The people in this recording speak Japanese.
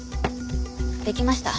できました。